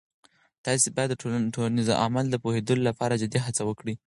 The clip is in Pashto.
تاسې باید د ټولنیز عمل د پوهیدو لپاره جدي هڅه وکړئ.